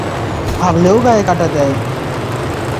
ভাবলেও গায়ে কাটা দেয়!